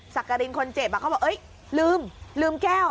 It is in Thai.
กรินคนเจ็บเขาบอกลืมลืมแก้ว